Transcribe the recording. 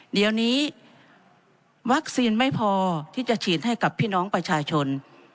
เดี๋ยวนี้วัคซีนไม่พอที่จะฉีดให้กับพี่น้องประชาชน